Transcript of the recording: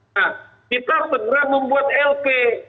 nah kita segera membuat lp